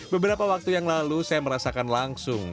beberapa waktu yang lalu saya merasakan langsung